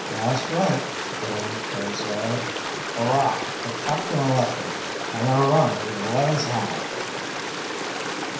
"That's right," put in a third sailor. "Hurrah for Captain Lesher and the rum he let us have!"